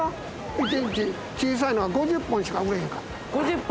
１日小さいのは５０本しか売れへんかった。